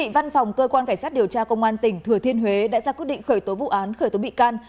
văn phòng cơ quan cảnh sát điều tra công an tỉnh thừa thiên huế đã ra quyết định khởi tố vụ án khởi tố bị can